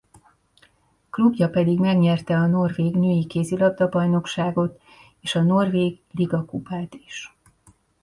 Klubja pedig megnyerte a norvég női kézilabda-bajnokságot és a norvég Liga Kupát is.